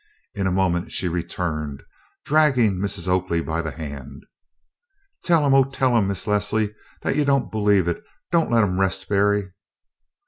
In a moment she returned, dragging Mrs. Oakley by the hand. "Tell 'em, oh, tell 'em, Miss Leslie, dat you don't believe it. Don't let 'em 'rest Berry."